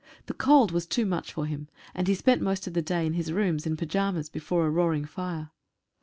The cold was too much for him, and he spent most of the day in his rooms in pyjamas before a roaring fire.